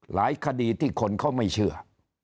คดีที่คนเขาไม่เชื่อ